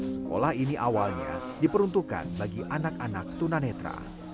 sekolah ini awalnya diperuntukkan bagi anak anak tuna netra